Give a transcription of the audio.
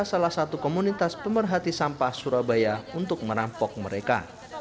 salah satu komunitas pemerhati sampah surabaya untuk merampok mereka